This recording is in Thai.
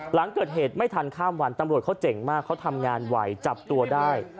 หลังเกิดเหตุไม่ทันข้ามวันตำรวจเขาเจ๋งมากเขาทำงานไหวจับตัวได้